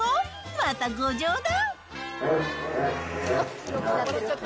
またご冗談。